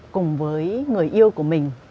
cùng với người yêu của mình